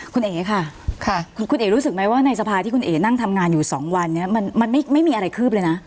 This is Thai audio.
คุณเอ๋ค่ะคุณเอ๋รู้สึกไหมว่าในสภาที่คุณเอ๋นั่งทำงานอยู่๒วันนี้มันไม่มีอะไรคืบเลยนะ